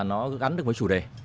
nó gắn được với chủ đề